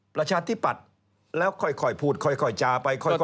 ประชาธิปัตย์แล้วค่อยพูดค่อยจาไป